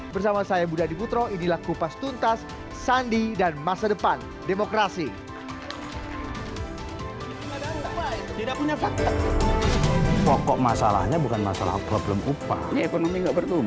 bersama saya budha diputro ini laku pas tuntas sandi dan masa depan demokrasi